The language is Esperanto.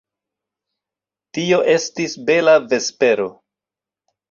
Tio estis bela vespero.